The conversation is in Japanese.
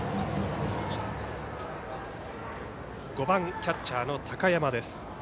５番、キャッチャーの高山です。